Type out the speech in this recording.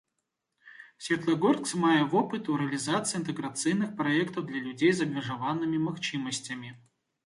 Светлагорск мае вопыт у рэалізацыі інтэграцыйных праектаў для людзей з абмежаванымі магчымасцямі.